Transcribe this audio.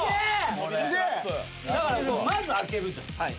だからまず開けるじゃん。